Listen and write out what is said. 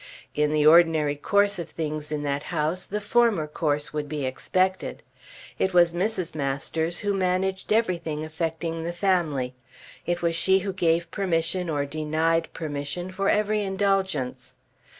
In the ordinary course of things in that house the former course would be expected. It was Mrs. Masters who managed everything affecting the family. It was she who gave permission or denied permission for every indulgence.